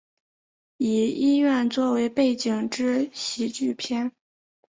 以医院作为背景之喜剧片。